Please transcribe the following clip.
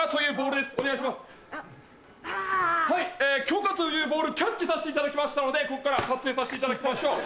許可というボールキャッチさせていただきましたのでこっから撮影させていただきましょう。